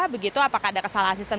begitu apakah ada kesalahan sistem